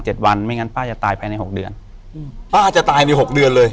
วันไม่งั้นป้าจะตายภายในหกเดือนอืมป้าจะตายในหกเดือนเลย